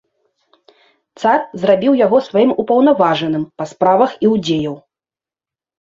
Цар зрабіў яго сваім упаўнаважаным па справах іудзеяў.